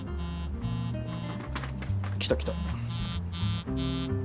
来た来た。